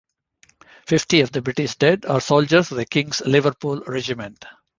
Fifty of the British dead are soldiers of the King's Liverpool Regiment.